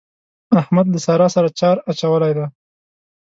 احمد له سارا سره چار اچولی دی.